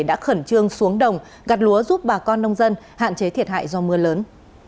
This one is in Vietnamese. đã khẩn trương xuống đồng gặt lúa giúp bà con nông dân hạn chế thiệt hại do mưa lớn